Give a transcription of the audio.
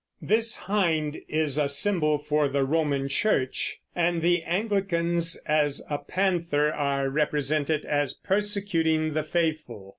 This hind is a symbol for the Roman Church; and the Anglicans, as a panther, are represented as persecuting the faithful.